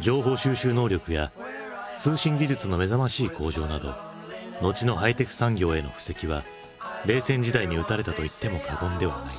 情報収集能力や通信技術の目覚ましい向上など後のハイテク産業への布石は冷戦時代に打たれたと言っても過言ではない。